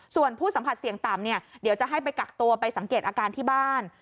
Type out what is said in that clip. ส่วนผู้สัมผัสเสี่ยงต่ำเนี่ยเดี๋ยวจะให้ไปกักตัวไปสังเกตอาการที่บ้าน